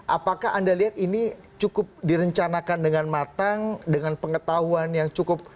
apakah anda lihat ini cukup direncanakan dengan matang dengan pengetahuan yang cukup